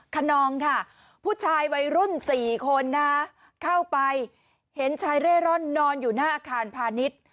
คนนองค่ะผู้ชายวัยรุ่น๔คนนะเข้าไปเห็นชายเร่ร่อนนอนอยู่หน้าอาคารพาณิชย์